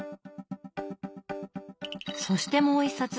そしてもう一冊。